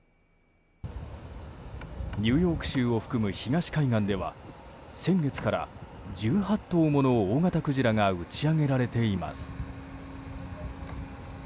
ニューヨーク州を含む東海岸では先月から１８頭もの大型クジラが打ち上げられています。